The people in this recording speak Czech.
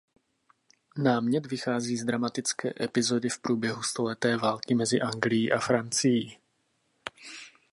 Námět vychází z dramatické epizody v průběhu stoleté války mezi Anglií a Francií.